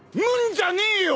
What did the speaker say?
じゃねえよ！